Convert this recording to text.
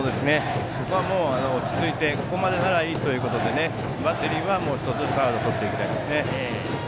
ここは、落ち着いてここまでならいいということでバッテリーは少しずつアウトをとっていきたいですね。